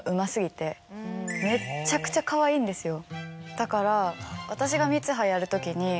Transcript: だから。